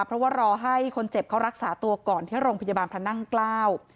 เพราะว่ารอให้คนเจ็บเขารักษาตัวก่อนที่โรงพยาบาลพระนั่งเกล้า